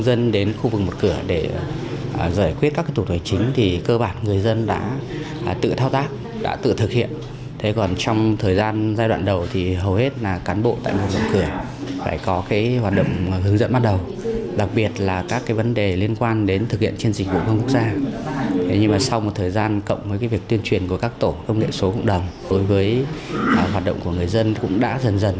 đối với các tổ công nghệ số cũng đồng đối với hoạt động của người dân cũng đã dần dần